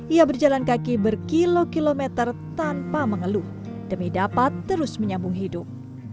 ia berjalan kaki berkilo kilometer tanpa mengeluh demi dapat terus menyambung hidup